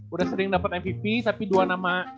udah sering dapet mvp tapi dua nama